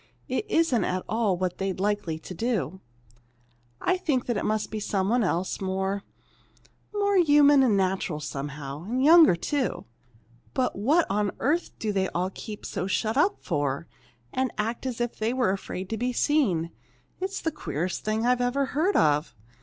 It isn't at all what they'd be likely to do. I think it must be some one else, more more human and natural, somehow. And younger, too. But what on earth do they all keep so shut up for, and act as if they were afraid to be seen! It's the queerest thing I ever heard of.